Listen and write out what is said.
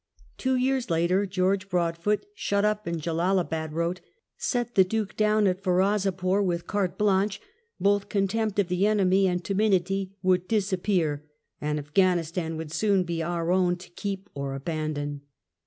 Two years later, George Broadfoot, shut up in Jellalabad, wrote, "^et the Duke down at Ferozepore with carte blanche; both contempt of the enemy and timidity would dis appear, and Afghanistan would soon be our own to keep or abandon."